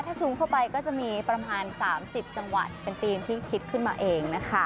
ถ้าซูมเข้าไปก็จะมีประมาณ๓๐จังหวัดเป็นธีมที่คิดขึ้นมาเองนะคะ